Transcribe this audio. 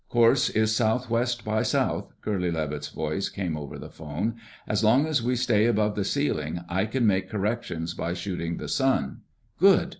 "Course is southwest by south," Curly Levitt's voice came over the phone. "As long as we stay above the ceiling, I can make corrections by shooting the sun." "Good!"